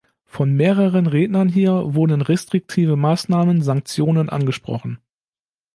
Von mehreren Rednern hier wurden restriktive Maßnahmen, Sanktionen angesprochen.